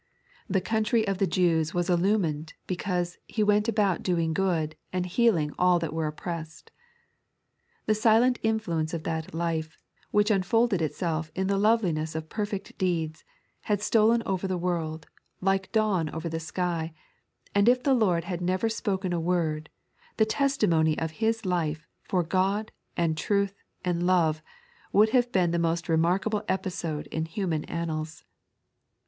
The country of 3.n.iized by Google 42 Lighted to Shine. the Jews was Ulumiued, because "He went about doing good, and healiog all that were oppressed." The sileot influence of that Life, which unfolded itself in the loveli ness of perfect deeds, has stolen over the world, like dawn over the ekj ; and if the Lord had never spoken a word, the testimony of His life, for Ood and Truth and Love, would have been the most remarkable episode in human annals.